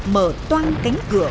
mở toan cánh cửa